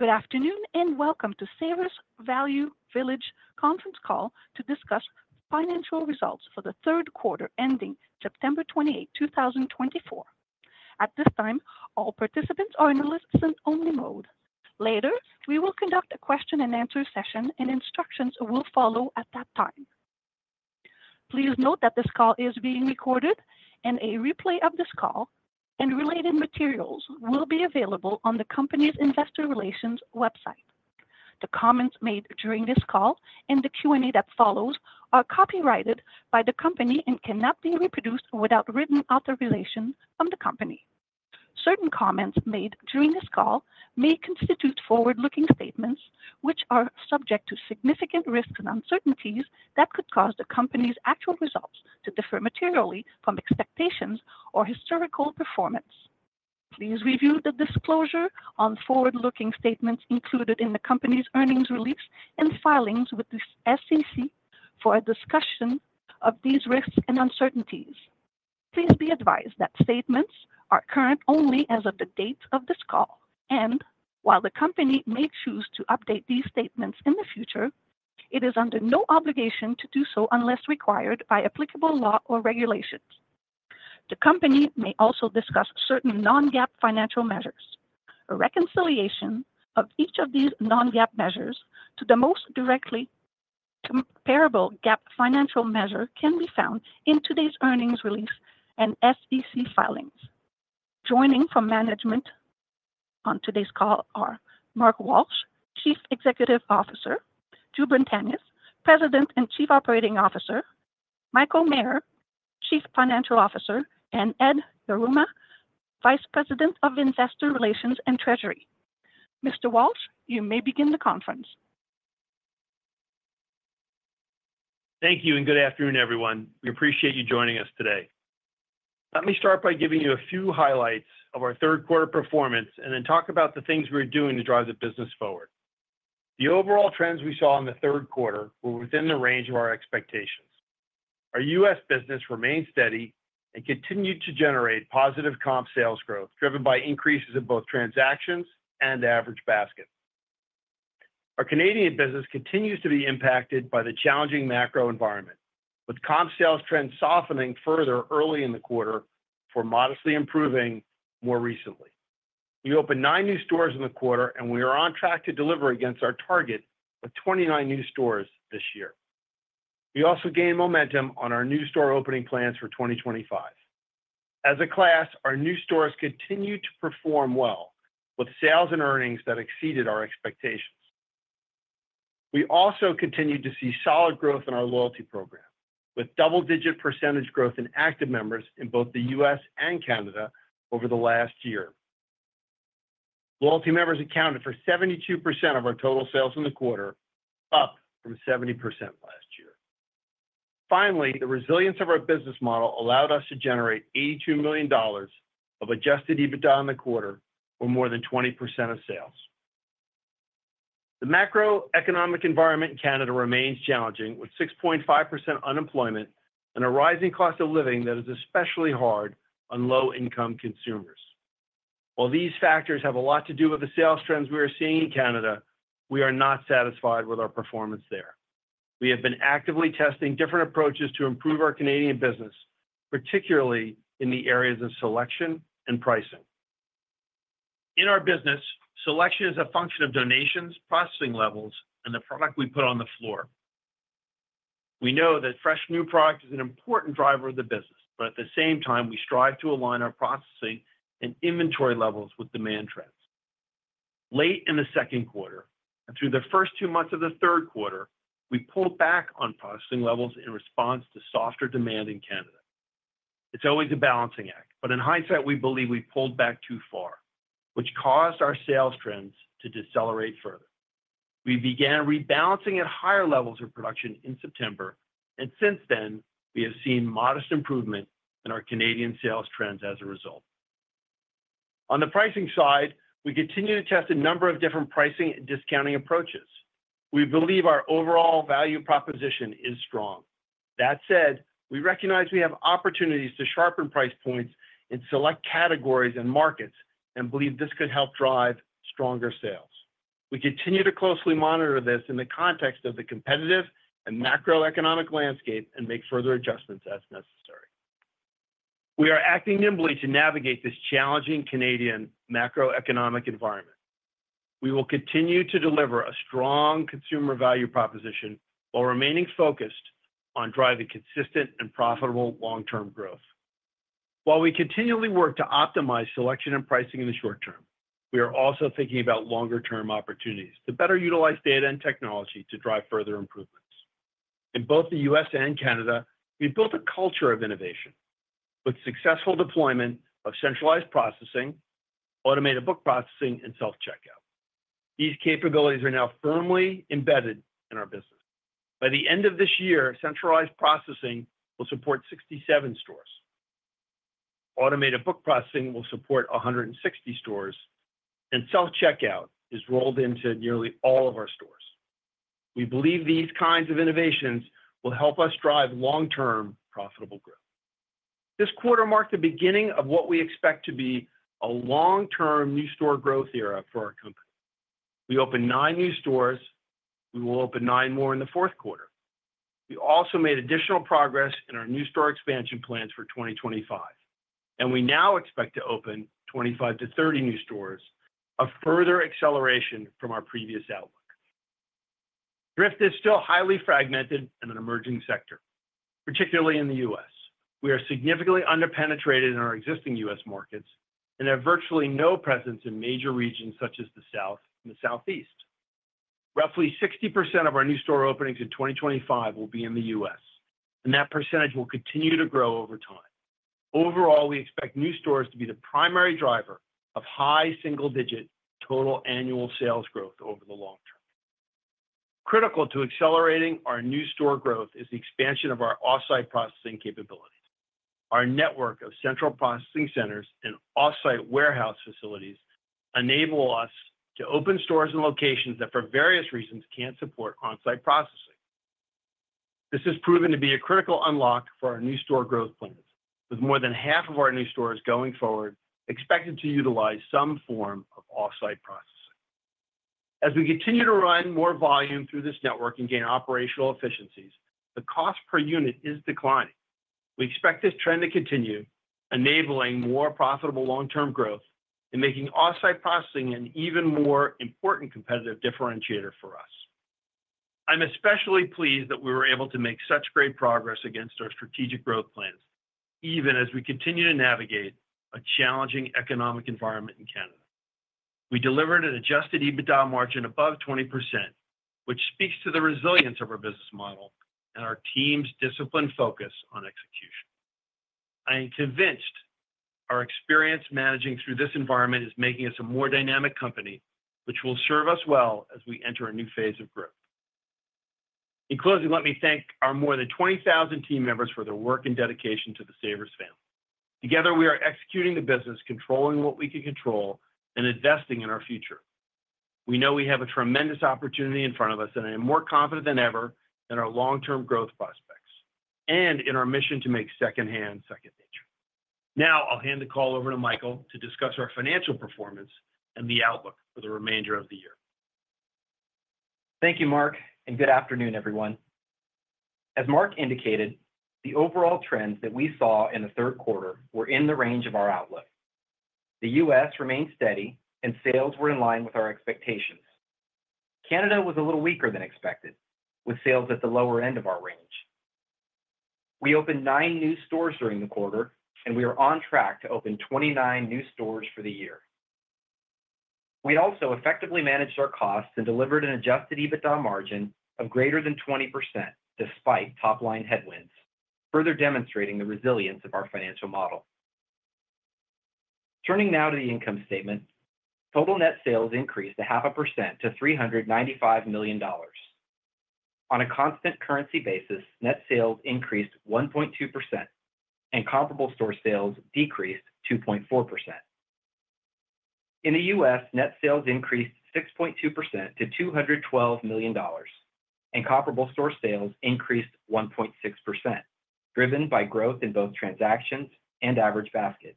Good afternoon and welcome to Savers Value Village conference call to discuss Financial Results for the Q3 Ending September 28, 2024. At this time, all participants are in a listen-only mode. Later, we will conduct a question-and-answer session, and instructions will follow at that time. Please note that this call is being recorded, and a replay of this call and related materials will be available on the company's investor relations website. The comments made during this call and the Q&A that follows are copyrighted by the company and cannot be reproduced without written authorization from the company. Certain comments made during this call may constitute forward-looking statements, which are subject to significant risks and uncertainties that could cause the company's actual results to differ materially from expectations or historical performance. Please review the disclosure on forward-looking statements included in the company's earnings release and filings with the SEC for a discussion of these risks and uncertainties. Please be advised that statements are current only as of the date of this call, and while the company may choose to update these statements in the future, it is under no obligation to do so unless required by applicable law or regulations. The company may also discuss certain non-GAAP financial measures. A reconciliation of each of these non-GAAP measures to the most directly comparable GAAP financial measure can be found in today's earnings release and SEC filings. Joining from management on today's call are Mark Walsh, Chief Executive Officer, Jubran Tanious, President and Chief Operating Officer, Michael Maher, Chief Financial Officer, and Ed Yruma, Vice President of Investor Relations and Treasury. Mr. Walsh, you may begin the conference. Thank you, and good afternoon, everyone. We appreciate you joining us today. Let me start by giving you a few highlights of our third-quarter performance and then talk about the things we're doing to drive the business forward. The overall trends we saw in the Q3 were within the range of our expectations. Our U.S. business remained steady and continued to generate positive comp sales growth driven by increases in both transactions and average basket. Our Canadian business continues to be impacted by the challenging macro environment, with comp sales trends softening further early in the quarter before modestly improving more recently. We opened nine new stores in the quarter, and we are on track to deliver against our target of 29 new stores this year. We also gained momentum on our new store opening plans for 2025. As a class, our new stores continue to perform well, with sales and earnings that exceeded our expectations. We also continue to see solid growth in our loyalty program, with double-digit percentage growth in active members in both the U.S. and Canada over the last year. Loyalty members accounted for 72% of our total sales in the quarter, up from 70% last year. Finally, the resilience of our business model allowed us to generate $82 million of Adjusted EBITDA in the quarter, or more than 20% of sales. The macroeconomic environment in Canada remains challenging, with 6.5% unemployment and a rising cost of living that is especially hard on low-income consumers. While these factors have a lot to do with the sales trends we are seeing in Canada, we are not satisfied with our performance there. We have been actively testing different approaches to improve our Canadian business, particularly in the areas of selection and pricing. In our business, selection is a function of donations, processing levels, and the product we put on the floor. We know that fresh new product is an important driver of the business, but at the same time, we strive to align our processing and inventory levels with demand trends. Late in the Q2 and through the first two months of the Q3, we pulled back on processing levels in response to softer demand in Canada. It's always a balancing act, but in hindsight, we believe we pulled back too far, which caused our sales trends to decelerate further. We began rebalancing at higher levels of production in September, and since then, we have seen modest improvement in our Canadian sales trends as a result. On the pricing side, we continue to test a number of different pricing and discounting approaches. We believe our overall value proposition is strong. That said, we recognize we have opportunities to sharpen price points in select categories and markets and believe this could help drive stronger sales. We continue to closely monitor this in the context of the competitive and macroeconomic landscape and make further adjustments as necessary. We are acting nimbly to navigate this challenging Canadian macroeconomic environment. We will continue to deliver a strong consumer value proposition while remaining focused on driving consistent and profitable long-term growth. While we continually work to optimize selection and pricing in the short term, we are also thinking about longer-term opportunities to better utilize data and technology to drive further improvements. In both the U.S. and Canada, we built a culture of innovation with successful deployment of centralized processing, automated book processing, and self-checkout. These capabilities are now firmly embedded in our business. By the end of this year, centralized processing will support 67 stores. Automated book processing will support 160 stores, and self-checkout is rolled into nearly all of our stores. We believe these kinds of innovations will help us drive long-term profitable growth. This quarter marked the beginning of what we expect to be a long-term new store growth era for our company. We opened nine new stores. We will open nine more in the Q4. We also made additional progress in our new store expansion plans for 2025, and we now expect to open 25 to 30 new stores, a further acceleration from our previous outlook. The thrift is still highly fragmented in an emerging sector, particularly in the U.S. We are significantly underpenetrated in our existing U.S. markets and have virtually no presence in major regions such as the South and the Southeast. Roughly 60% of our new store openings in 2025 will be in the U.S., and that percentage will continue to grow over time. Overall, we expect new stores to be the primary driver of high single-digit total annual sales growth over the long term. Critical to accelerating our new store growth is the expansion of our offsite processing capabilities. Our network of central processing centers and offsite warehouse facilities enable us to open stores in locations that, for various reasons, can't support onsite processing. This has proven to be a critical unlock for our new store growth plans, with more than half of our new stores going forward expected to utilize some form of offsite processing. As we continue to run more volume through this network and gain operational efficiencies, the cost per unit is declining. We expect this trend to continue, enabling more profitable long-term growth and making offsite processing an even more important competitive differentiator for us. I'm especially pleased that we were able to make such great progress against our strategic growth plans, even as we continue to navigate a challenging economic environment in Canada. We delivered an Adjusted EBITDA margin above 20%, which speaks to the resilience of our business model and our team's disciplined focus on execution. I am convinced our experience managing through this environment is making us a more dynamic company, which will serve us well as we enter a new phase of growth. In closing, let me thank our more than 20,000 team members for their work and dedication to the Savers family. Together, we are executing the business, controlling what we can control, and investing in our future. We know we have a tremendous opportunity in front of us, and I am more confident than ever in our long-term growth prospects and in our mission to make secondhand second nature. Now, I'll hand the call over to Michael to discuss our financial performance and the outlook for the remainder of the year. Thank you, Mark, and good afternoon, everyone. As Mark indicated, the overall trends that we saw in the Q3 were in the range of our outlook. The U.S. remained steady, and sales were in line with our expectations. Canada was a little weaker than expected, with sales at the lower end of our range. We opened nine new stores during the quarter, and we are on track to open 29 new stores for the year. We also effectively managed our costs and delivered an Adjusted EBITDA margin of greater than 20% despite top-line headwinds, further demonstrating the resilience of our financial model. Turning now to the income statement, total net sales increased 0.5% to $395 million. On a constant currency basis, net sales increased 1.2%, and comparable store sales decreased 2.4%. In the U.S., net sales increased 6.2% to $212 million, and comparable store sales increased 1.6%, driven by growth in both transactions and average basket.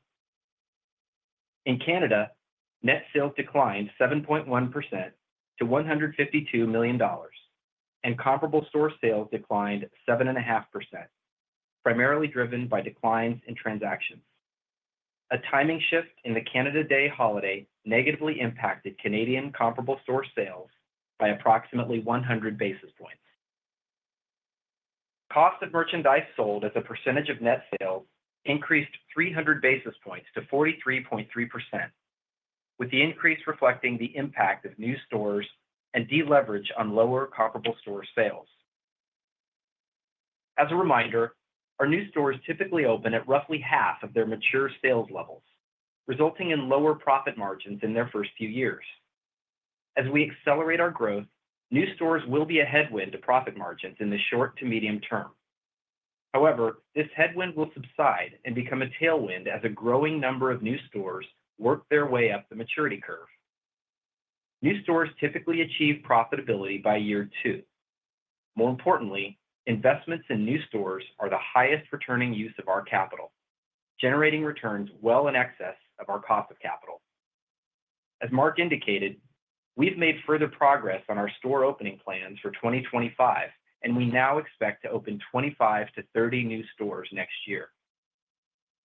In Canada, net sales declined 7.1% to $152 million, and comparable store sales declined 7.5%, primarily driven by declines in transactions. A timing shift in the Canada Day holiday negatively impacted Canadian comparable store sales by approximately 100 basis points. Cost of merchandise sold as a percentage of net sales increased 300 basis points to 43.3%, with the increase reflecting the impact of new stores and deleverage on lower comparable store sales. As a reminder, our new stores typically open at roughly half of their mature sales levels, resulting in lower profit margins in their first few years. As we accelerate our growth, new stores will be a headwind to profit margins in the short to medium term. However, this headwind will subside and become a tailwind as a growing number of new stores work their way up the maturity curve. New stores typically achieve profitability by year two. More importantly, investments in new stores are the highest returning use of our capital, generating returns well in excess of our cost of capital. As Mark indicated, we've made further progress on our store opening plans for 2025, and we now expect to open 25 to 30 new stores next year.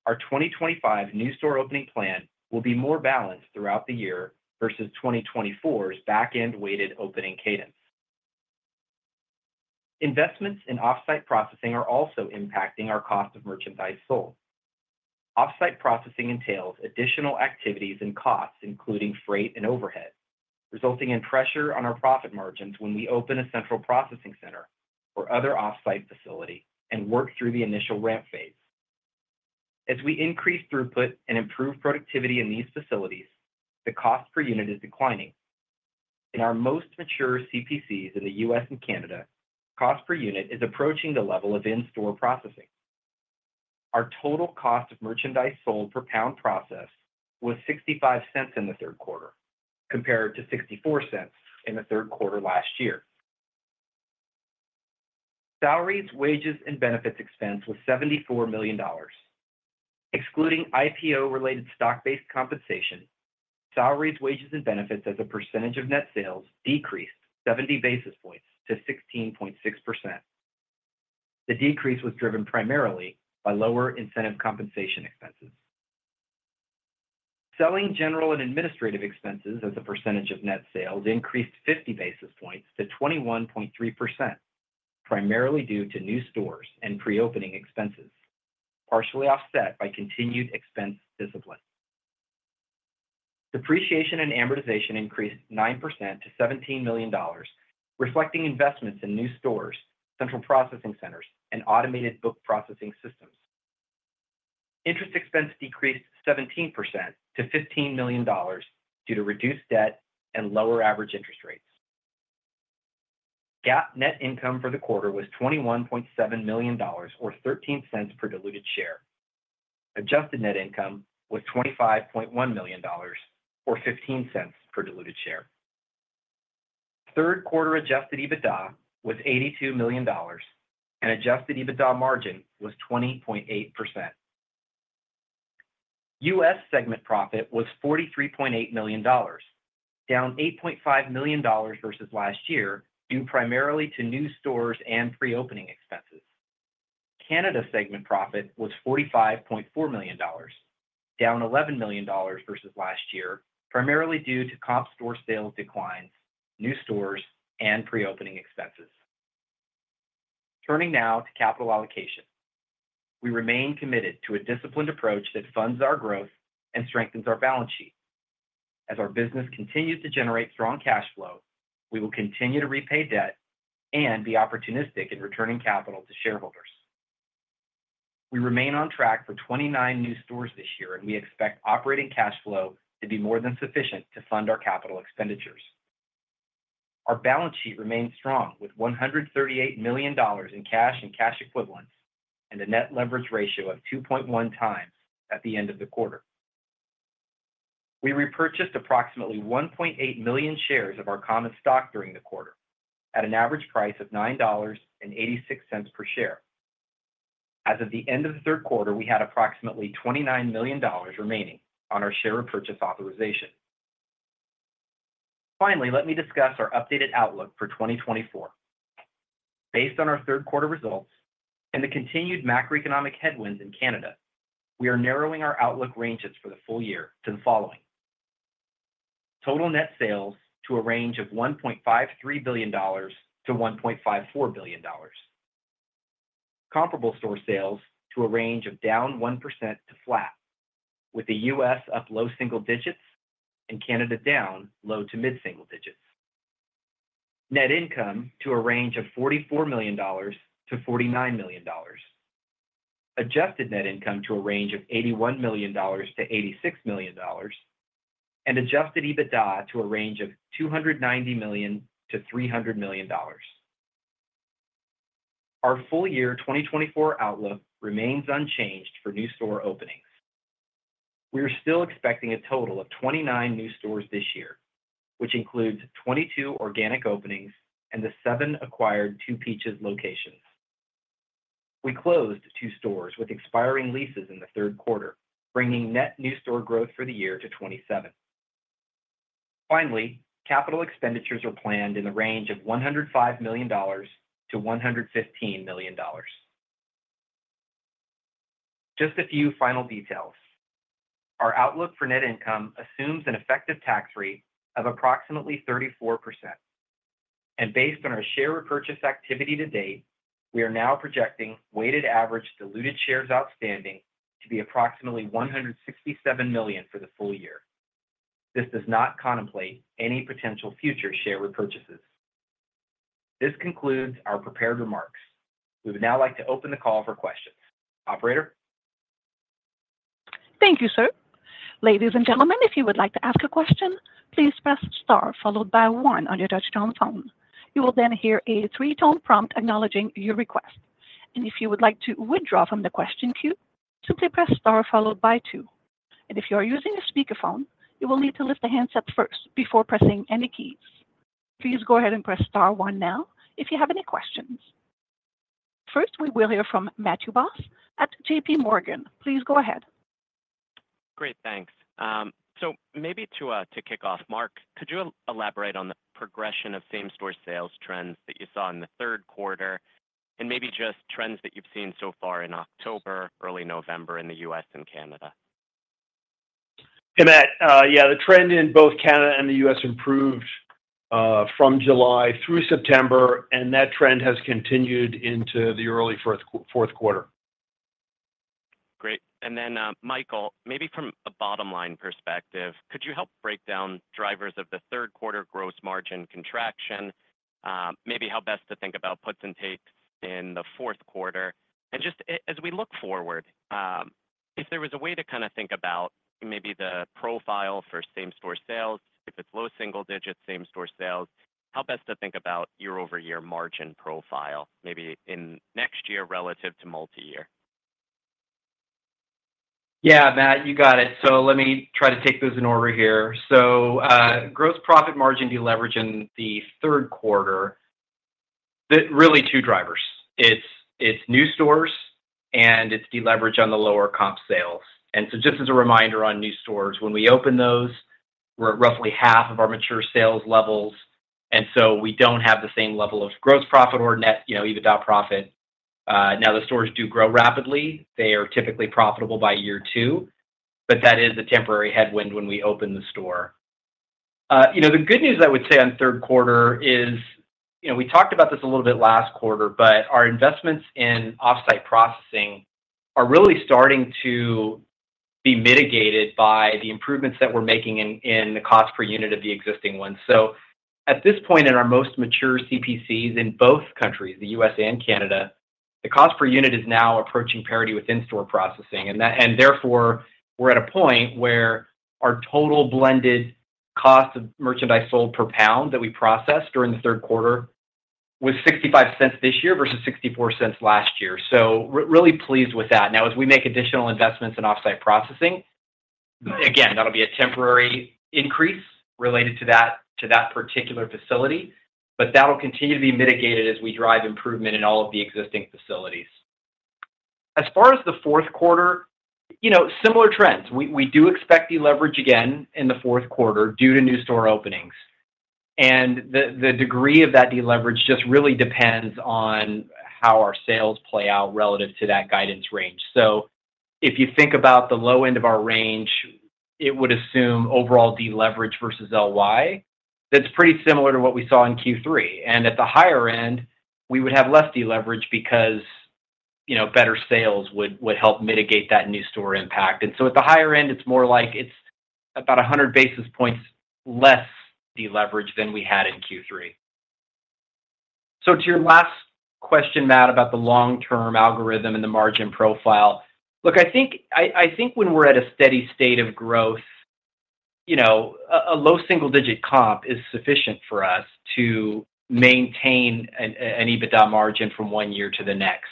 Our 2025 new store opening plan will be more balanced throughout the year versus 2024's back-end-weighted opening cadence. Investments in offsite processing are also impacting our cost of merchandise sold. Offsite processing entails additional activities and costs, including freight and overhead, resulting in pressure on our profit margins when we open a central processing center or other offsite facility and work through the initial ramp phase. As we increase throughput and improve productivity in these facilities, the cost per unit is declining. In our most mature CPCs in the U.S. and Canada, cost per unit is approaching the level of in-store processing. Our total cost of merchandise sold per pound processed was $0.65 in the Q3, compared to $0.64 in the Q3 last year. Salaries, wages, and benefits expense was $74 million. Excluding IPO-related stock-based compensation, salaries, wages, and benefits as a percentage of net sales decreased 70 basis points to 16.6%. The decrease was driven primarily by lower incentive compensation expenses. Selling general and administrative expenses as a percentage of net sales increased 50 basis points to 21.3%, primarily due to new stores and pre-opening expenses, partially offset by continued expense discipline. Depreciation and amortization increased 9% to $17 million, reflecting investments in new stores, central processing centers, and automated book processing systems. Interest expense decreased 17% to $15 million due to reduced debt and lower average interest rates. GAAP net income for the quarter was $21.7 million, or $0.13 per diluted share. Adjusted net income was $25.1 million, or $0.15 per diluted share. Q3 adjusted EBITDA was $82 million, and adjusted EBITDA margin was 20.8%. U.S. segment profit was $43.8 million, down $8.5 million versus last year, due primarily to new stores and pre-opening expenses. Canada segment profit was $45.4 million, down $11 million versus last year, primarily due to comp store sales declines, new stores, and pre-opening expenses. Turning now to capital allocation, we remain committed to a disciplined approach that funds our growth and strengthens our balance sheet. As our business continues to generate strong cash flow, we will continue to repay debt and be opportunistic in returning capital to shareholders. We remain on track for 29 new stores this year, and we expect operating cash flow to be more than sufficient to fund our capital expenditures. Our balance sheet remains strong with $138 million in cash and cash equivalents and a net leverage ratio of 2.1 times at the end of the quarter. We repurchased approximately 1.8 million shares of our common stock during the quarter at an average price of $9.86 per share. As of the end of the Q3, we had approximately $29 million remaining on our share repurchase authorization. Finally, let me discuss our updated outlook for 2024. Based on our Q3 results and the continued macroeconomic headwinds in Canada, we are narrowing our outlook ranges for the full year to the following: total net sales to a range of $1.53 billion to 1.54 billion, comparable store sales to a range of down 1% to flat, with the U.S. up low single digits and Canada down low to mid single digits, net income to a range of $44 million to 49 million, adjusted net income to a range of $81 million to 86 million, and adjusted EBITDA to a range of $290 million to 300 million. Our full year 2024 outlook remains unchanged for new store openings. We are still expecting a total of 29 new stores this year, which includes 22 organic openings and the seven acquired 2 Peaches locations. We closed two stores with expiring leases in the Q3, bringing net new store growth for the year to 27. Finally, capital expenditures are planned in the range of $105 million to 115 million. Just a few final details. Our outlook for net income assumes an effective tax rate of approximately 34%, and based on our share repurchase activity to date, we are now projecting weighted average diluted shares outstanding to be approximately 167 million for the full year. This does not contemplate any potential future share repurchases. This concludes our prepared remarks. We would now like to open the call for questions. Operator? Thank you, sir. Ladies and gentlemen, if you would like to ask a question, please press star followed by one on your touch-tone phone. You will then hear a three-tone prompt acknowledging your request. If you would like to withdraw from the question queue, simply press star followed by two. If you are using a speakerphone, you will need to lift the handset first before pressing any keys. Please go ahead and press star one now if you have any questions. First, we will hear from Matthew Boss at J.P. Morgan. Please go ahead. Great. Thanks. To kick off, Mark, could you elaborate on the progression of same-store sales trends that you saw in the Q3 and maybe just trends that you've seen so far in October, early November in the U.S. and Canada? The trend in both Canada and the U.S. improved from July through September, and that trend has continued into the early Q4. Great. Michael, maybe from a bottom-line perspective, could you help break down drivers of the Q3 gross margin contraction, maybe how best to think about puts and takes in the Q4? Just as we look forward, if there was a way to kind of think about maybe the profile for same-store sales, if it's low single-digit same-store sales, how best to think about your over-year margin profile, maybe in next year relative to multi-year? Matt, you got it. Let me try to take those in order here. Gross profit margin deleverage in the Q3, really two drivers. It's new stores, and it's deleverage on the lower comp sales. Just as a reminder on new stores, when we open those, we're at roughly half of our mature sales levels. We don't have the same level of gross profit or net EBITDA profit. Now, the stores do grow rapidly. They are typically profitable by year two, but that is a temporary headwind when we open the store. The good news I would say on Q3 is we talked about this a little bit last quarter, but our investments in offsite processing are really starting to be mitigated by the improvements that we're making in the cost per unit of the existing ones. At this point in our most mature CPCs in both countries, the U.S. and Canada, the cost per unit is now approaching parity with in-store processing. Therefore, we're at a point where our total blended cost of merchandise sold per pound that we processed during the Q3 was $0.65 this year versus $0.64 last year. Really pleased with that. Now, as we make additional investments in offsite processing, again, that'll be a temporary increase related to that particular facility, but that'll continue to be mitigated as we drive improvement in all of the existing facilities. As far as the Q4, similar trends. We do expect deleverage again in the Q4 due to new store openings. The degree of that deleverage just really depends on how our sales play out relative to that guidance range. If you think about the low end of our range, it would assume overall deleverage versus LY. That's pretty similar to what we saw in Q3. At the higher end, we would have less deleverage because better sales would help mitigate that new store impact. At the higher end, it's more like it's about 100 basis points less deleverage than we had in Q3. To your last question, Matt, about the long-term algorithm and the margin profile, look, I think when we're at a steady state of growth, a low single-digit comp is sufficient for us to maintain an EBITDA margin from one year to the next.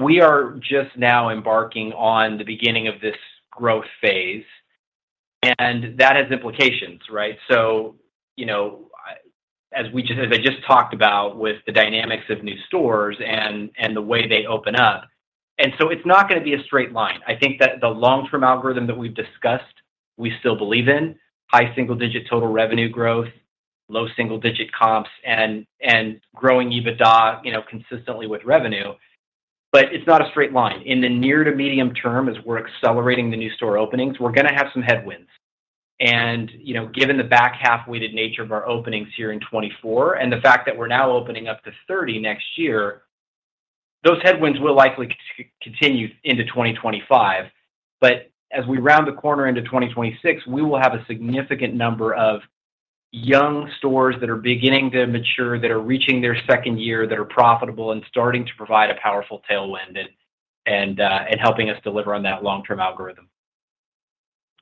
We are just now embarking on the beginning of this growth phase, and that has implications, right? As I just talked about with the dynamics of new stores and the way they open up. It's not going to be a straight line. I think that the long-term algorithm that we've discussed, we still believe in: high single-digit total revenue growth, low single-digit comps, and growing EBITDA consistently with revenue. It's not a straight line. In the near to medium term, as we're accelerating the new store openings, we're going to have some headwinds. Given the back half-weighted nature of our openings here in 2024 and the fact that we're now opening up to 30 next year, those headwinds will likely continue into 2025. As we round the corner into 2026, we will have a significant number of young stores that are beginning to mature, that are reaching their second year, that are profitable and starting to provide a powerful tailwind and helping us deliver on that long-term algorithm.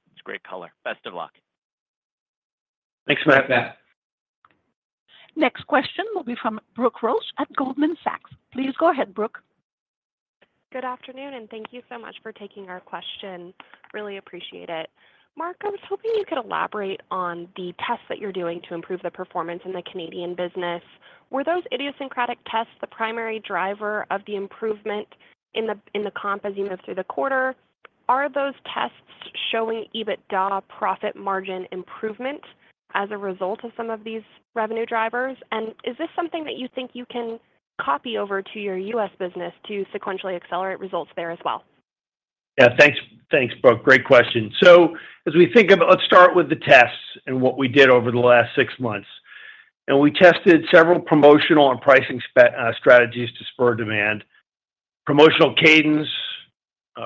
That's great color. Best of luck. Thanks, Matt. Thanks, Matt. Next question will be from Brooke Roach at Goldman Sachs. Please go ahead, Brooke. Good afternoon, and thank you so much for taking our question. Really appreciate it. Mark, I was hoping you could elaborate on the tests that you're doing to improve the performance in the Canadian business. Were those idiosyncratic tests the primary driver of the improvement in the comp as you move through the quarter? Are those tests showing EBITDA profit margin improvement as a result of some of these revenue drivers? And is this something that you think you can copy over to your U.S. business to sequentially accelerate results there as well? Thanks, Brooke. Great question. As we think about, let's start with the tests and what we did over the last six months. We tested several promotional and pricing strategies to spur demand: promotional cadence,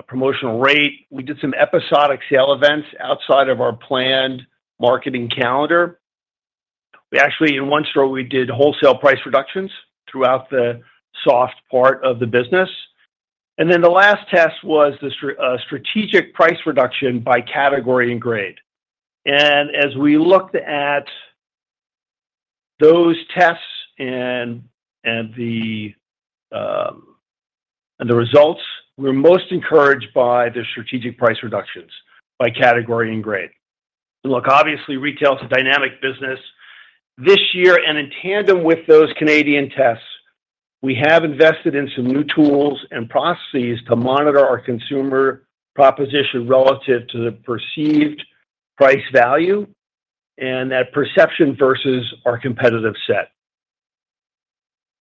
promotional rate. We did some episodic sale events outside of our planned marketing calendar. Actually, in one store, we did wholesale price reductions throughout the soft part of the business. The last test was the strategic price reduction by category and grade. And as we looked at those tests and the results, we were most encouraged by the strategic price reductions by category and grade. And look, obviously, retail is a dynamic business. This year, and in tandem with those Canadian tests, we have invested in some new tools and processes to monitor our consumer proposition relative to the perceived price value and that perception versus our competitive set.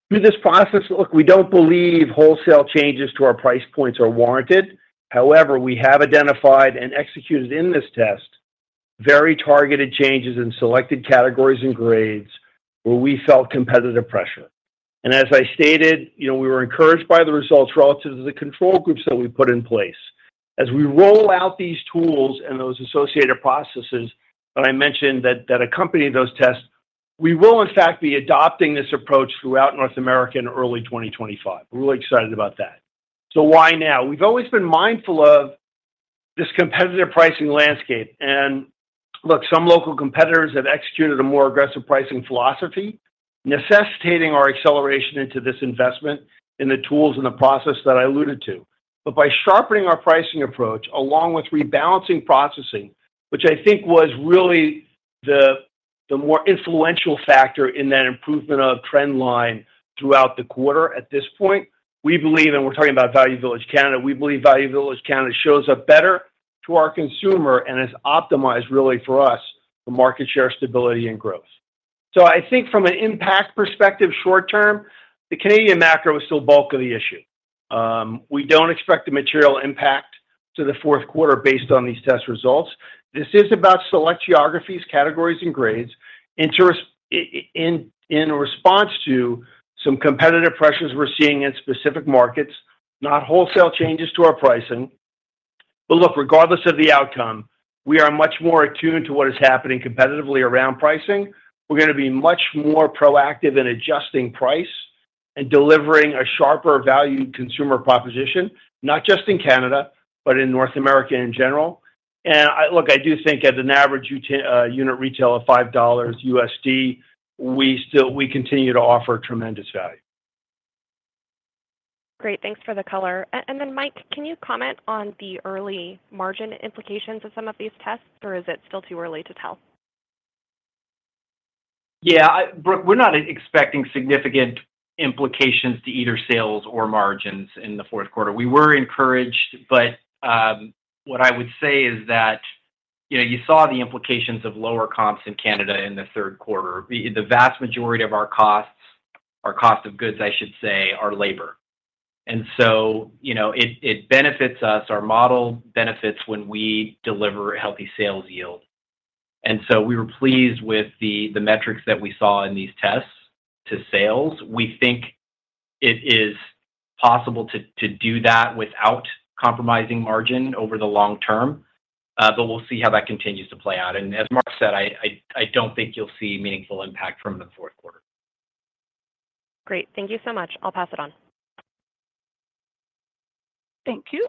Through this process, look, we don't believe wholesale changes to our price points are warranted. However, we have identified and executed in this test very targeted changes in selected categories and grades where we felt competitive pressure. I stated, we were encouraged by the results relative to the control groups that we put in place. We roll out these tools and those associated processes, and I mentioned that accompany those tests, we will, in fact, be adopting this approach throughout North America in early 2025. We're really excited about that. Why now? We've always been mindful of this competitive pricing landscape. Look, some local competitors have executed a more aggressive pricing philosophy, necessitating our acceleration into this investment in the tools and the process that I alluded to. By sharpening our pricing approach along with rebalancing processing, which I think was really the more influential factor in that improvement of trend line throughout the quarter at this point, we believe, and we're talking about Value Village Canada, we believe Value Village Canada shows up better to our consumer and has optimized really for us the market share stability and growth. I think from an impact perspective, short term, the Canadian macro is still bulk of the issue. We don't expect a material impact to the Q4 based on these test results. This is about select geographies, categories, and grades in response to some competitive pressures we're seeing in specific markets, not wholesale changes to our pricing. Look, regardless of the outcome, we are much more attuned to what is happening competitively around pricing. We're going to be much more proactive in adjusting price and delivering a sharper value consumer proposition, not just in Canada, but in North America in general. Look, I do think at an average unit retail of $5, we continue to offer tremendous value. Great. Thanks for the color. Mike, can you comment on the early margin implications of some of these tests, or is it still too early to tell? Brooke, we're not expecting significant implications to either sales or margins in the Q4. We were encouraged, but what I would say is that you saw the implications of lower comps in Canada in the Q3. The vast majority of our costs, our cost of goods, I should say, are labor, and so it benefits us. Our model benefits when we deliver a healthy sales yield, and so we were pleased with the metrics that we saw in these tests to sales. We think it is possible to do that without compromising margin over the long term, but we'll see how that continues to play out, and as Mark said, I don't think you'll see meaningful impact from the Q4. Great. Thank you so much. I'll pass it on. Thank you.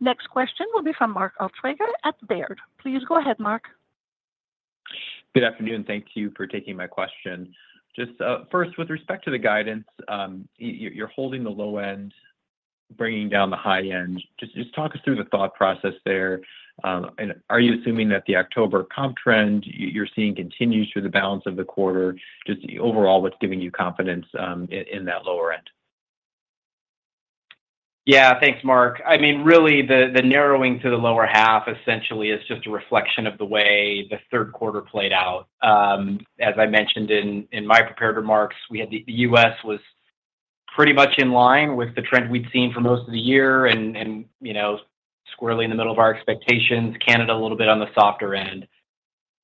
Next question will be from Mark Altschwager at Baird. Please go ahead, Mark. Good afternoon. Thank you for taking my question. Just first, with respect to the guidance, you're holding the low end, bringing down the high end. Just talk us through the thought process there. Are you assuming that the October comp trend you're seeing continues through the balance of the quarter? Just overall, what's giving you confidence in that lower end? Thanks, Mark. I mean, really, the narrowing to the lower half essentially is just a reflection of the way the Q3 played out. As I mentioned in my prepared remarks, the U.S. was pretty much in line with the trend we'd seen for most of the year and squarely in the middle of our expectations, Canada a little bit on the softer end.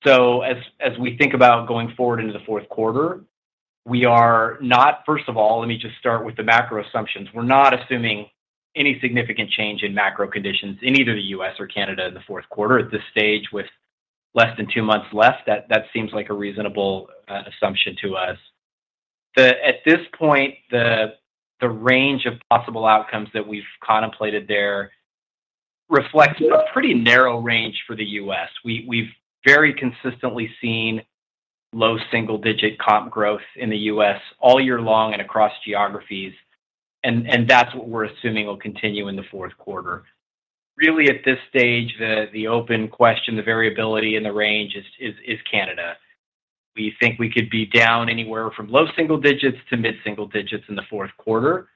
As we think about going forward into the Q4, we are not, first of all, let me just start with the macro assumptions. We're not assuming any significant change in macro conditions in either the U.S. or Canada in the Q4 at this stage with less than two months left. That seems like a reasonable assumption to us. At this point, the range of possible outcomes that we've contemplated there reflects a pretty narrow range for the U.S. We've very consistently seen low single-digit comp growth in the U.S. all year long and across geographies, and that's what we're assuming will continue in the Q4. Really, at this stage, the open question, the variability in the range is Canada. We think we could be down anywhere from low single digits to mid-single digits in the Q4.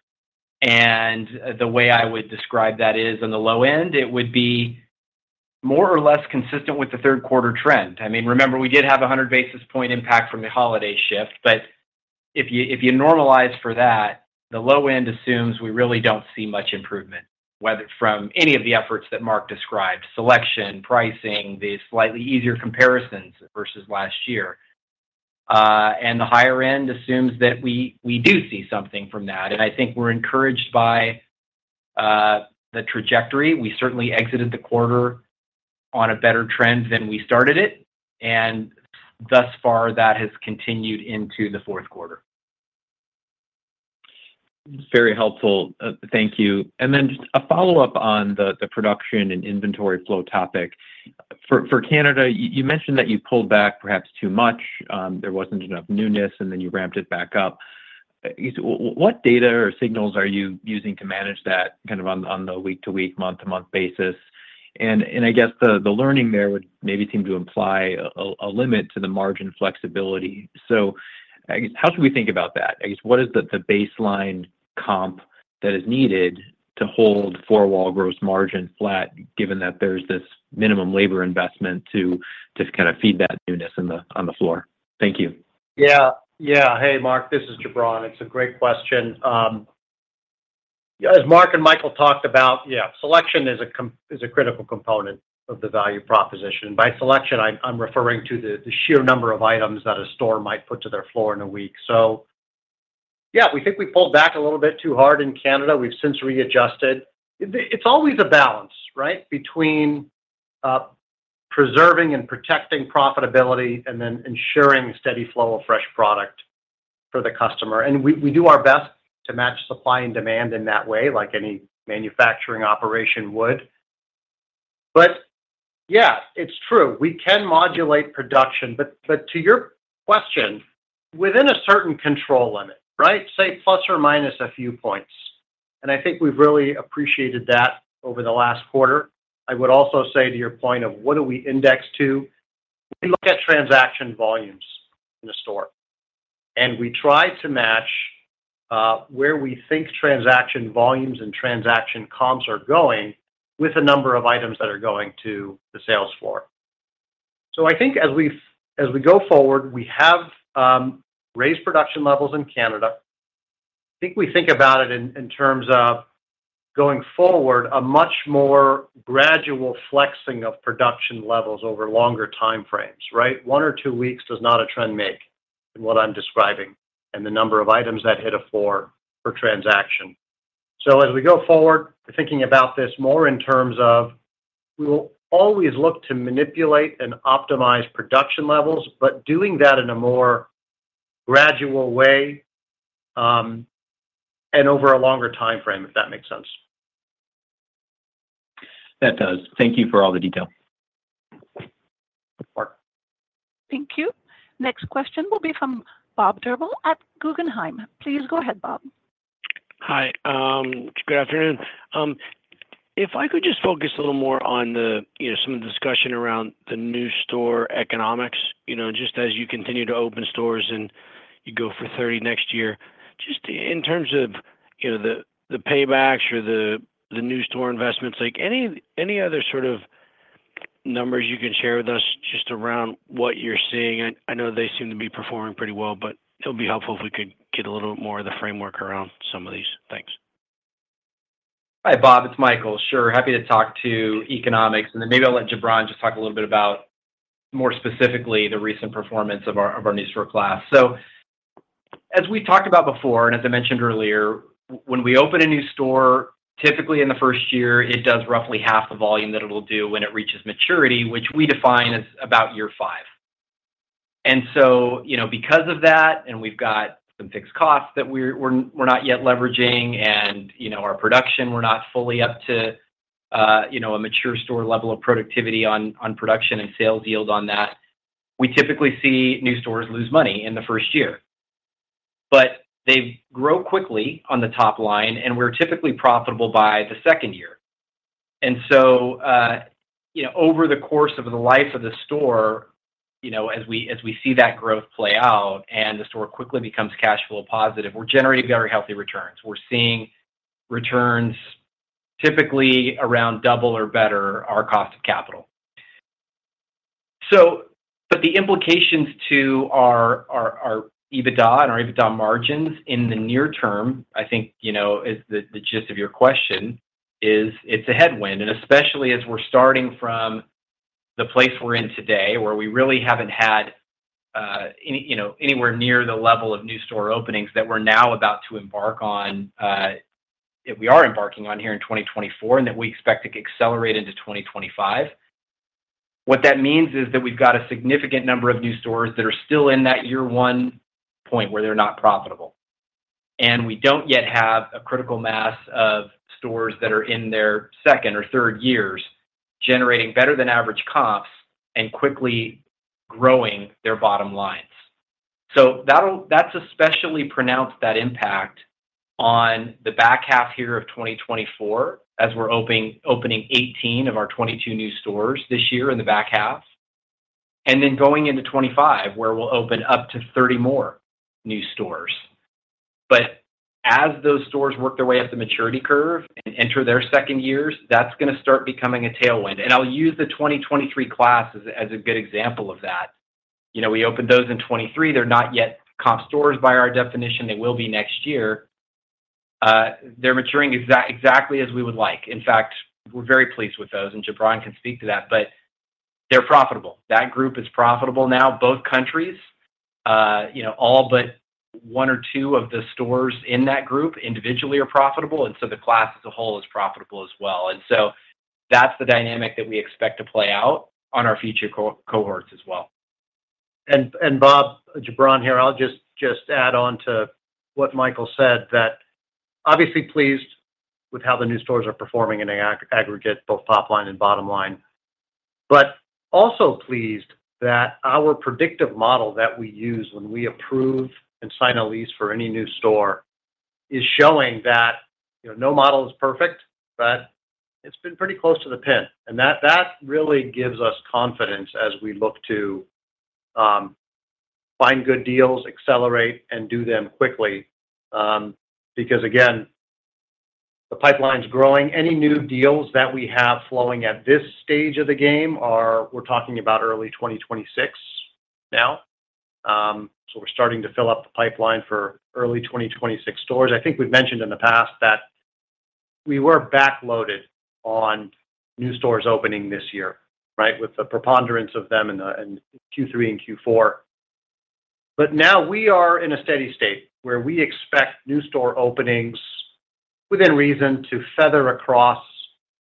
The way I would describe that is on the low end, it would be more or less consistent with the Q3 trend. I mean, remember, we did have a 100 basis point impact from the holiday shift, if you normalize for that, the low end assumes we really don't see much improvement from any of the efforts that Mark described: selection, pricing, the slightly easier comparisons versus last year. The higher end assumes that we do see something from that. I think we're encouraged by the trajectory. We certainly exited the quarter on a better trend than we started it, and thus far, that has continued into the Q4. Very helpful. Thank you. A follow-up on the production and inventory flow topic. For Canada, you mentioned that you pulled back perhaps too much. There wasn't enough newness, and then you ramped it back up. What data or signals are you using to manage that kind of on the week-to-week, month-to-month basis? I guess the learning there would maybe seem to imply a limit to the margin flexibility. How should we think about that? I guess, what is the baseline comp that is needed to hold four-wall gross margin flat, given that there's this minimum labor investment to kind of feed that newness on the floor? Thank you. Hey, Mark, this is Jubran. It's a great question. As Mark and Michael talked about, yeah, selection is a critical component of the value proposition. By selection, I'm referring to the sheer number of items that a store might put to their floor in a week. We think we pulled back a little bit too hard in Canada. We've since readjusted. It's always a balance, right, between preserving and protecting profitability and then ensuring a steady flow of fresh product for the customer. And we do our best to match supply and demand in that way, like any manufacturing operation would. It's true. We can modulate production. But to your question, within a certain control limit, right, say plus or minus a few points. I think we've really appreciated that over the last quarter. I would also say to your point of what do we index to, we look at transaction volumes in a store. We try to match where we think transaction volumes and transaction comps are going with the number of items that are going to the sales floor. I think as we go forward, we have raised production levels in Canada. I think we think about it in terms of going forward, a much more gradual flexing of production levels over longer time frames, right? One or two weeks does not a trend make in what I'm describing and the number of items that hit a floor per transaction. As we go forward, we're thinking about this more in terms of we will always look to manipulate and optimize production levels, but doing that in a more gradual way and over a longer time frame, if that makes sense. That does. Thank you for all the detail. Thank you. Thank you. Next question will be from Bob Drbul at Guggenheim. Please go ahead, Bob. Hi. Good afternoon. If I could just focus a little more on some of the discussion around the new store economics, just as you continue to open stores and you go for 30 next year, just in terms of the paybacks or the new store investments, any other sort of numbers you can share with us just around what you're seeing? I know they seem to be performing pretty well, but it'll be helpful if we could get a little more of the framework around some of these things. Hi, Bob. It's Michael. Sure. Happy to talk about the economics and then maybe I'll let Jubran just talk a little bit about more specifically the recent performance of our new store class, so as we talked about before and as I mentioned earlier, when we open a new store, typically in the first year, it does roughly half the volume that it'll do when it reaches maturity, which we define as about year five. Because of that, and we've got some fixed costs that we're not yet leveraging, and our production, we're not fully up to a mature store level of productivity on production and sales yield on that, we typically see new stores lose money in the first year, but they grow quickly on the top line, and we're typically profitable by the second year. Over the course of the life of the store, as we see that growth play out and the store quickly becomes cash flow positive, we're generating very healthy returns. We're seeing returns typically around double or better our cost of capital. But the implications to our EBITDA and our EBITDA margins in the near term, I think, is the gist of your question, is it's a headwind. Especially as we're starting from the place we're in today, where we really haven't had anywhere near the level of new store openings that we're now about to embark on, that we are embarking on here in 2024, and that we expect to accelerate into 2025, what that means is that we've got a significant number of new stores that are still in that year one point where they're not profitable. We don't yet have a critical mass of stores that are in their second or third years generating better than average comps and quickly growing their bottom lines. That's especially pronounced, that impact on the back half here of 2024, as we're opening 18 of our 22 new stores this year in the back half, and then going into 2025, where we'll open up to 30 more new stores. As those stores work their way up the maturity curve and enter their second years, that's going to start becoming a tailwind. I'll use the 2023 class as a good example of that. We opened those in 2023. They're not yet comp stores by our definition. They will be next year. They're maturing exactly as we would like. In fact, we're very pleased with those, and Jubran can speak to that, but they're profitable. That group is profitable now. Both countries, all but one or two of the stores in that group individually are profitable, and so the class as a whole is profitable as well, and so that's the dynamic that we expect to play out on our future cohorts as well. Bob, Jubran here, I'll just add on to what Michael said, that obviously pleased with how the new stores are performing in the aggregate, both top line and bottom line, also pleased that our predictive model that we use when we approve and sign a lease for any new store is showing that no model is perfect, it's been pretty close to the pin, and that really gives us confidence as we look to find good deals, accelerate, and do them quickly. Because again, the pipeline's growing. Any new deals that we have flowing at this stage of the game, we're talking about early 2026 now. We're starting to fill up the pipeline for early 2026 stores. I think we've mentioned in the past that we were backloaded on new stores opening this year, right, with the preponderance of them in Q3 and Q4. Now we are in a steady state where we expect new store openings within reason to feather across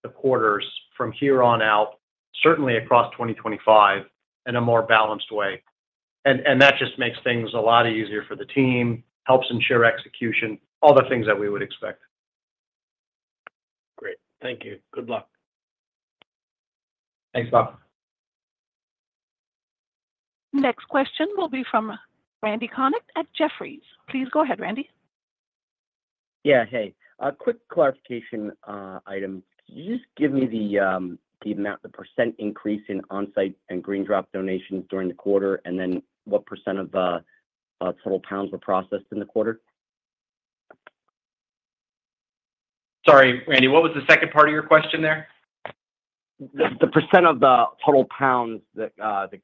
the quarters from here on out, certainly across 2025 in a more balanced way. That just makes things a lot easier for the team, helps ensure execution, all the things that we would expect. Great. Thank you. Good luck. Thanks, Bob. Next question will be from Randal Konik at Jefferies. Please go ahead, Randy. Hey, a quick clarification item. Can you just give me the percentage increase in on-site and GreenDrop donations during the quarter, and then what percentage of total pounds were processed in the quarter? Sorry, Randy, what was the second part of your question there? The percentage of the total pounds that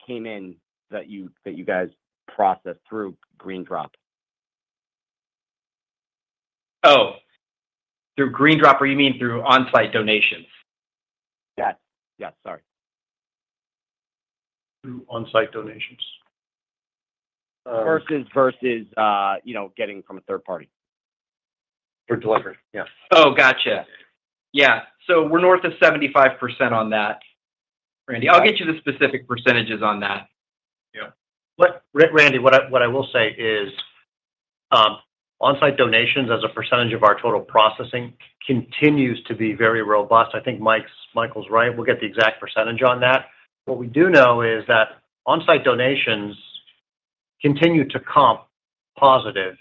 came in that you guys processed through GreenDrop. Through GreenDrop, or you mean through on-site donations? Sorry. Through on-site donations. Versus getting from a third party. For delivery. Oh, gotcha. Yeah, so we're north of 75% on that, Randy. I'll get you the specific percentages on that. Randy, what I will say is onsite donations as a percentage of our total processing continues to be very robust. I think Michael's right. We'll get the exact percentage on that. What we do know is that onsite donations continue to comp positive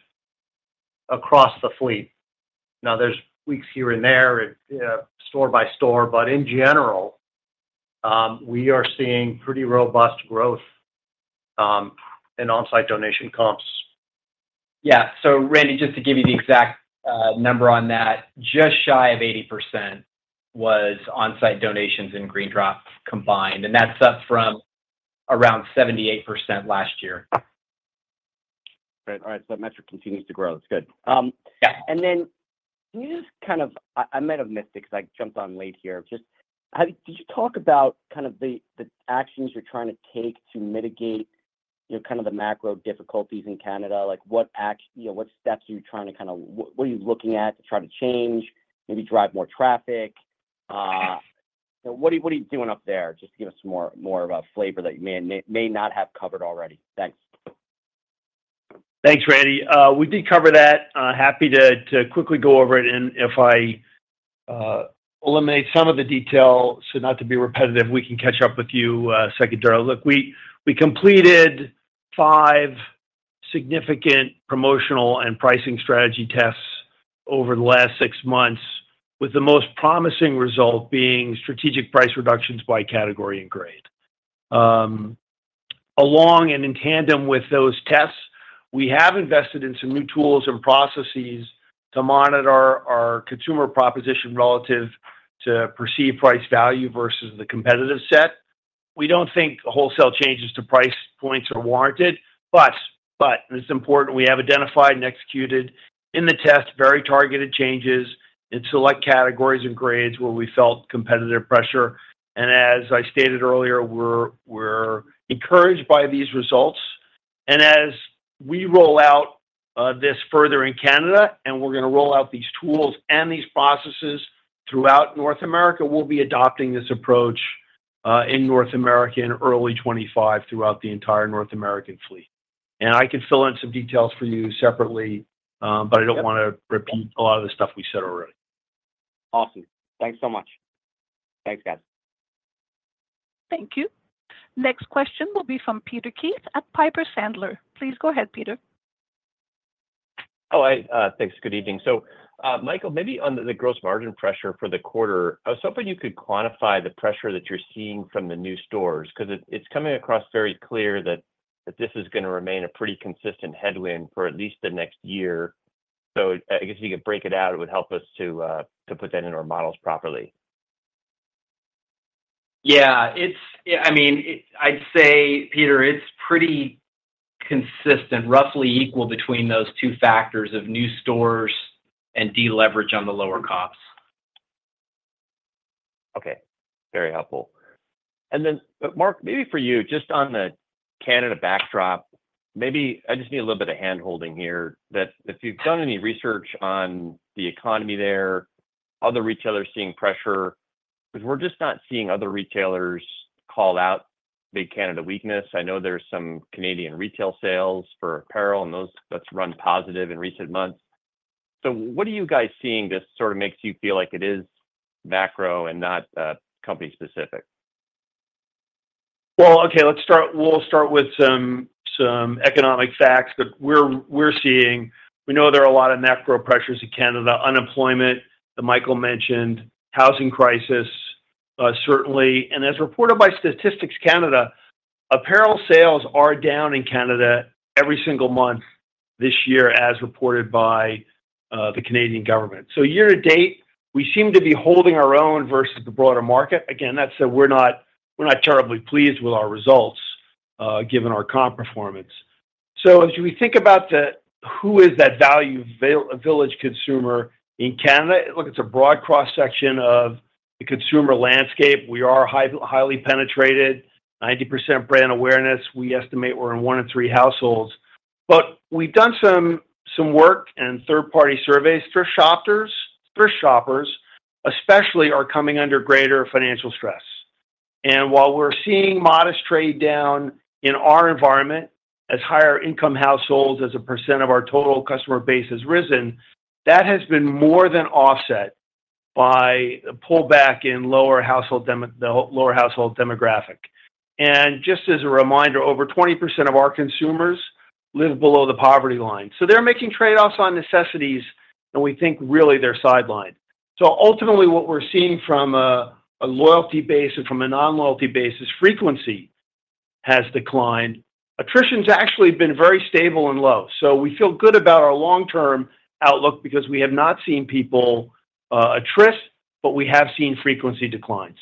across the fleet Now, there's weeks here and there and store by store, but in general, we are seeing pretty robust growth in onsite donation comps. Randy, just to give you the exact number on that, just shy of 80% was onsite donations and GreenDrop combined. That's up from around 78% last year. Great. All right. That metric continues to grow. That's good. Can you just kind of, I might have missed it because I jumped on late here. Just did you talk about kind of the actions you're trying to take to mitigate kind of the macro difficulties in Canada? What steps are you trying to kind of, what are you looking at to try to change, maybe drive more traffic? What are you doing up there? Just give us more of a flavor that you may not have covered already. Thanks. Thanks, Randy. We did cover that. Happy to quickly go over it, and if I eliminate some of the detail so not to be repetitive, we can catch up with you secondarily. Look, we completed five significant promotional and pricing strategy tests over the last six months, with the most promising result being strategic price reductions by category and grade. Along and in tandem with those tests, we have invested in some new tools and processes to monitor our consumer proposition relative to perceived price value versus the competitive set. We don't think wholesale changes to price points are warranted, it's important we have identified and executed in the test very targeted changes in select categories and grades where we felt competitive pressure, and as I stated earlier, we're encouraged by these results. As we roll out this further in Canada, and we're going to roll out these tools and these processes throughout North America, we'll be adopting this approach in North America in early 2025 throughout the entire North American fleet. I can fill in some details for you separately, I don't want to repeat a lot of the stuff we said already. Awesome. Thanks so much. Thanks, guys. Thank you. Next question will be from Peter Keith at Piper Sandler. Please go ahead, Peter. Hey. Thanks. Good evening. Michael, maybe on the gross margin pressure for the quarter, I was hoping you could quantify the pressure that you're seeing from the new stores because it's coming across very clear that this is going to remain a pretty consistent headwind for at least the next year. I guess if you could break it out, it would help us to put that into our models properly. Peter, it's pretty consistent, roughly equal between those two factors of new stores and deleverage on the lower comps. Okay. Very helpful. Mark, maybe for you, just on the Canada backdrop, maybe I just need a little bit of handholding here. If you've done any research on the economy there, other retailers seeing pressure, because we're just not seeing other retailers call out big Canada weakness. I know there's some Canadian retail sales for apparel, and that's run positive in recent months. What are you guys seeing that sort of makes you feel like it is macro and not company specific? Well, okay, we'll start with some economic facts. We're seeing, we know there are a lot of macro pressures in Canada, unemployment that Michael mentioned, housing crisis, certainly. As reported by Statistics Canada, apparel sales are down in Canada every single month this year, as reported by the Canadian government. Year to date, we seem to be holding our own versus the broader market. Again, that's that we're not terribly pleased with our results given our comp performance. As we think about who is that Value Village consumer in Canada, look, it's a broad cross-section of the consumer landscape. We are highly penetrated, 90% brand awareness. We estimate we're in one in three households. We've done some work and third-party surveys for shoppers, especially our coming under greater financial stress. While we're seeing modest trade down in our environment, as higher income households, as a percent of our total customer base has risen, that has been more than offset by the pullback in lower household demographic. Just as a reminder, over 20% of our consumers live below the poverty line. They're making trade-offs on necessities, and we think really they're sidelined. Ultimately, what we're seeing from a loyalty base and from a non-loyalty base is frequency has declined. Attrition's actually been very stable and low. We feel good about our long-term outlook because we have not seen people attrit, but we have seen frequency decline.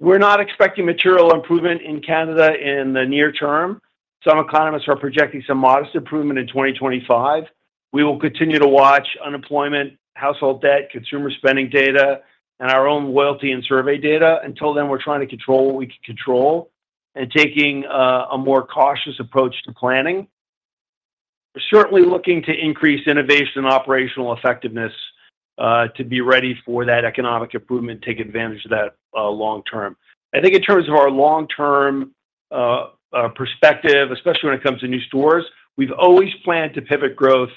We're not expecting material improvement in Canada in the near term. Some economists are projecting some modest improvement in 2025. We will continue to watch unemployment, household debt, consumer spending data, and our own loyalty and survey data. Until then, we're trying to control what we can control and taking a more cautious approach to planning. We're certainly looking to increase innovation and operational effectiveness to be ready for that economic improvement, take advantage of that long-term. I think in terms of our long-term perspective, especially when it comes to new stores, we've always planned to pivot growth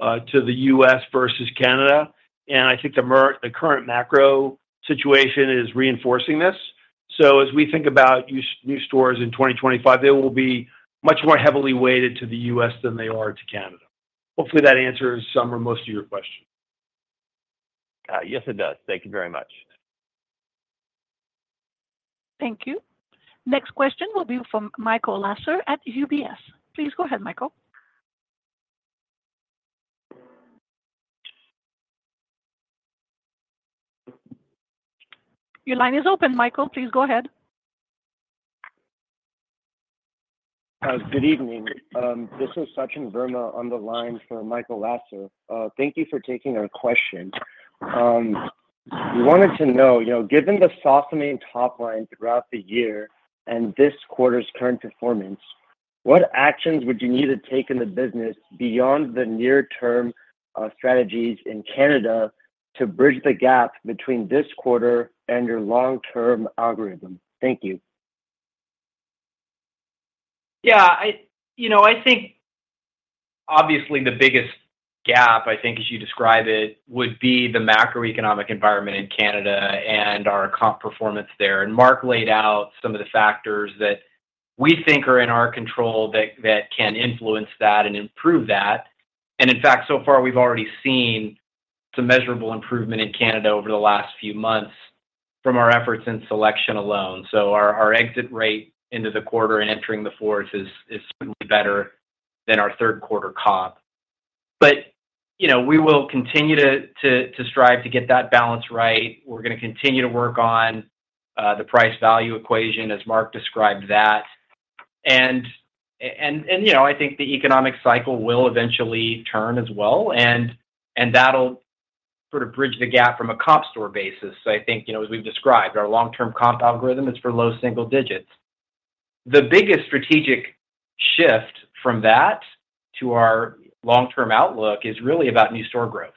to the U.S. versus Canada. I think the current macro situation is reinforcing this. As we think about new stores in 2025, they will be much more heavily weighted to the U.S. than they are to Canada. Hopefully, that answers some or most of your questions. Yes, it does. Thank you very much. Thank you. Next question will be from Michael Lassar at UBS. Please go ahead, Michael. Your line is open. Michael, please go ahead. Good evening. This is Sachin Verma on the line for Michael Lassar. Thank you for taking our question. We wanted to know, given the softening top line throughout the year and this quarter's current performance, what actions would you need to take in the business beyond the near-term strategies in Canada to bridge the gap between this quarter and your long-term algorithm? Thank you. I think obviously the biggest gap, I think, as you describe it, would be the macroeconomic environment in Canada and our comp performance there. Mark laid out some of the factors that we think are in our control that can influence that and improve that. In fact, so far, we've already seen some measurable improvement in Canada over the last few months from our efforts in selection alone. Our exit rate into the quarter and entering the fourth is certainly better than our third-quarter comp. We will continue to strive to get that balance right. We're going to continue to work on the price-value equation, as Mark described that. I think the economic cycle will eventually turn as well, and that'll sort of bridge the gap from a comp store basis. I think, as we've described, our long-term comp algorithm is for low single digits. The biggest strategic shift from that to our long-term outlook is really about new store growth.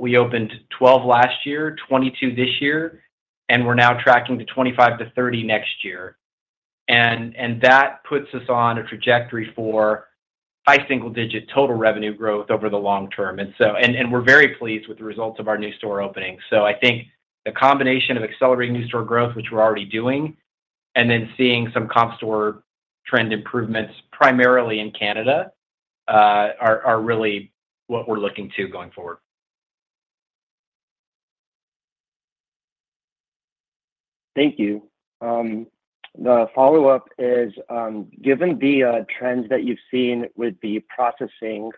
We opened 12 last year, 22 this year, and we're now tracking to 25 to 30 next year. That puts us on a trajectory for high single-digit total revenue growth over the long term. We're very pleased with the results of our new store opening. I think the combination of accelerating new store growth, which we're already doing, and then seeing some comp store trend improvements primarily in Canada are really what we're looking to going forward. Thank you. The follow-up is, given the trends that you've seen with the processing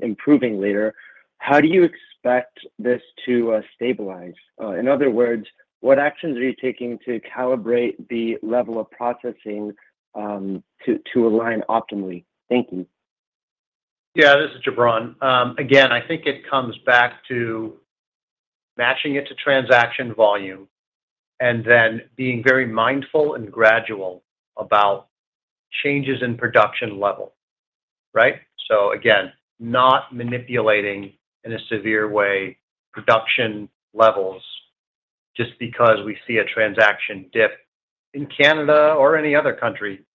improving later, how do you expect this to stabilize? In other words, what actions are you taking to calibrate the level of processing to align optimally? Thank you. This is Jubran. Again, I think it comes back to matching it to transaction volume and then being very mindful and gradual about changes in production level, right? Again, not manipulating in a severe way production levels just because we see a transaction dip in Canada or any other country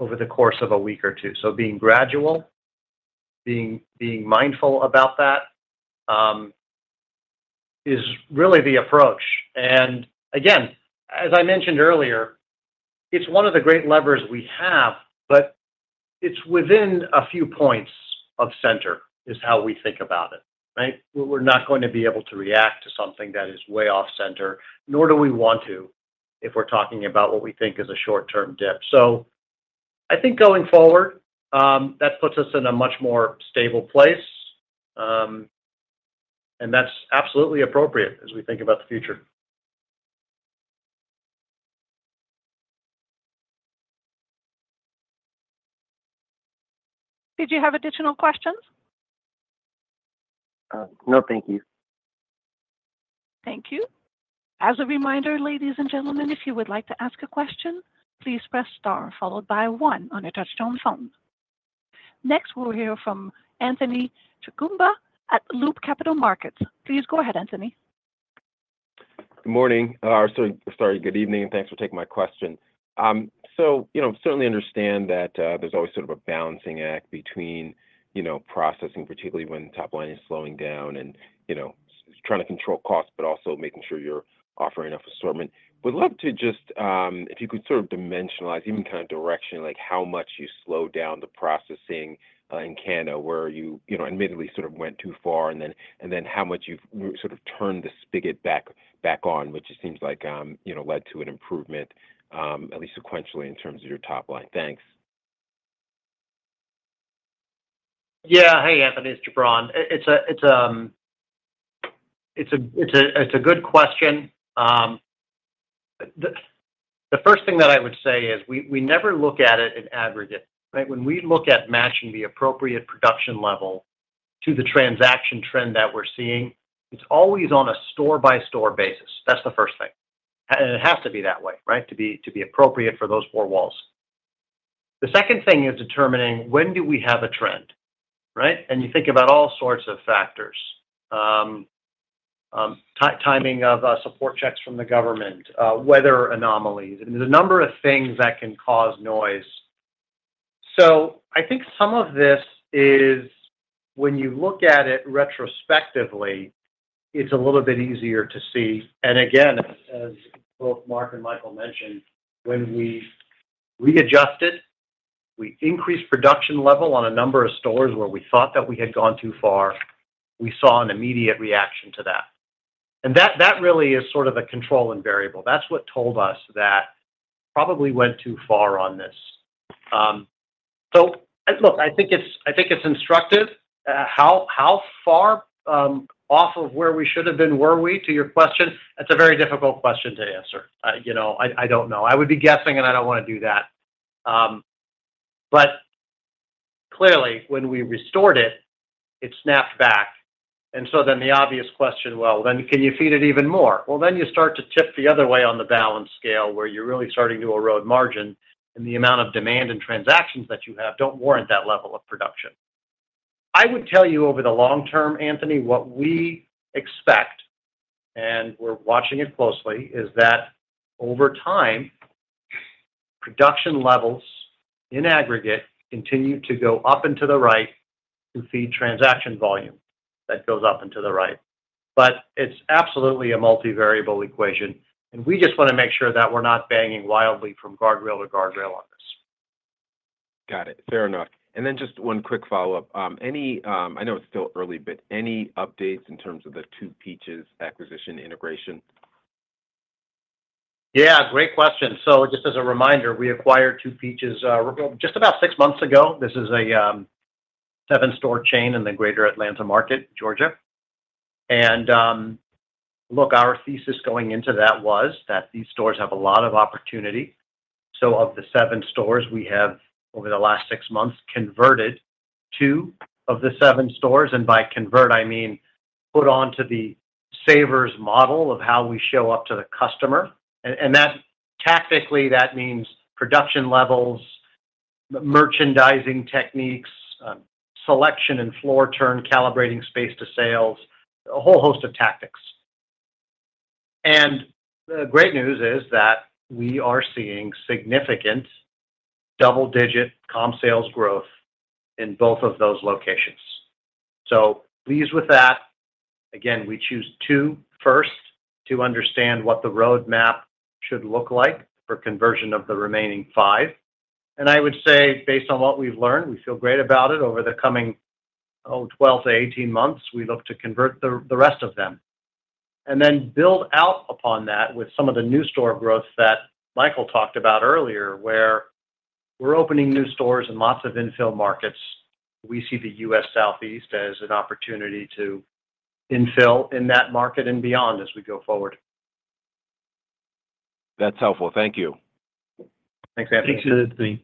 over the course of a week or two. Being gradual, being mindful about that is really the approach. As I mentioned earlier, it's one of the great levers we have, but it's within a few points of center is how we think about it, right? We're not going to be able to react to something that is way off center, nor do we want to if we're talking about what we think is a short-term dip. I think going forward, that puts us in a much more stable place. That's absolutely appropriate as we think about the future. Did you have additional questions? No, thank you. Thank you. As a reminder, ladies and gentlemen, if you would like to ask a question, please press star followed by one on a touch-tone phone. Next, we'll hear from Anthony Chukumba at Loop Capital Markets. Please go ahead, Anthony. Good morning. Sorry, good evening. Thanks for taking my question. Certainly understand that there's always sort of a balancing act between processing, particularly when top line is slowing down and trying to control costs, but also making sure you're offering enough assortment. Would love to just, if you could sort of dimensionalize even kind of direction, like how much you slowed down the processing in Canada where you admittedly sort of went too far and then how much you've sort of turned the spigot back on, which it seems like led to an improvement, at least sequentially in terms of your top line. Thanks. Hey, Anthony, this is Jubran. It's a good question. The first thing that I would say is we never look at it in aggregate, right? When we look at matching the appropriate production level to the transaction trend that we're seeing, it's always on a store-by-store basis. That's the first thing. It has to be that way, right, to be appropriate for those four walls. The second thing is determining when do we have a trend, right? You think about all sorts of factors: timing of support checks from the government, weather anomalies. There's a number of things that can cause noise. I think some of this is, when you look at it retrospectively, it's a little bit easier to see. Again, as both Mark and Michael mentioned, when we readjusted, we increased production level on a number of stores where we thought that we had gone too far, we saw an immediate reaction to that. That really is sort of a control and variable. That's what told us that probably went too far on this. Look, I think it's instructive. How far off of where we should have been were we to your question? That's a very difficult question to answer. I don't know. I would be guessing, and I don't want to do that. Clearly, when we restored it, it snapped back. Then the obvious question, well, can you feed it even more? Then you start to tip the other way on the balance scale where you're really starting to erode margin, and the amount of demand and transactions that you have don't warrant that level of production. I would tell you over the long term, Anthony, what we expect, and we're watching it closely, is that over time, production levels in aggregate continue to go up and to the right to feed transaction volume that goes up and to the right. It's absolutely a multivariable equation. We just want to make sure that we're not banging wildly from guardrail to guardrail on this. Got it. Fair enough. Just one quick follow-up. I know it's still early, but any updates in terms of the 2 Peaches acquisition integration? Great question. Just as a reminder, we acquired 2 Peaches just about six months ago. This is a seven-store chain in the greater Atlanta market, Georgia. Look, our thesis going into that was that these stores have a lot of opportunity. So of the seven stores we have over the last six months, converted two of the seven stores. By convert, I mean put onto the Savers model of how we show up to the customer. And tactically, that means production levels, merchandising techniques, selection and floor turn, calibrating space to sales, a whole host of tactics. The great news is that we are seeing significant double-digit comp sales growth in both of those locations. Pleased with that. Again, we chose two first to understand what the roadmap should look like for conversion of the remaining five. I would say, based on what we've learned, we feel great about it. Over the coming 12 to 18 months, we look to convert the rest of them and then build out upon that with some of the new store growth that Michael talked about earlier, where we're opening new stores in lots of infill markets. We see the U.S. Southeast as an opportunity to infill in that market and beyond as we go forward. That's helpful. Thank you. Thanks, Anthony. Thanks to Anthony.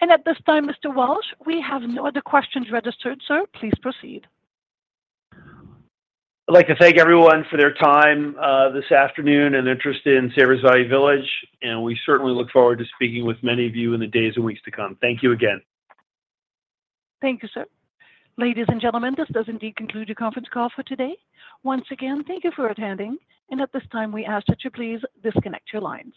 And at this time, Mr. Walsh, we have no other questions registered. Sir, please proceed. I'd like to thank everyone for their time this afternoon and interest in Savers Value Village, and we certainly look forward to speaking with many of you in the days and weeks to come. Thank you again. Thank you, sir. Ladies and gentlemen, this does indeed conclude your conference call for today. Once again, thank you for attending. At this time, we ask that you please disconnect your lines.